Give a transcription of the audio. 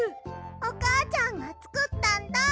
おかあちゃんがつくったんだ！